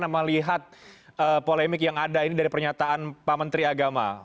melihat polemik yang ada ini dari pernyataan pak menteri agama